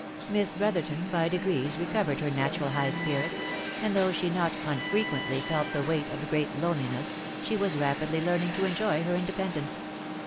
Miss Brotherton by degrees recovered her natural high spirits, and though she not unfrequently felt the weight of great loneliness, she was rapidly learning to enjoy her independence.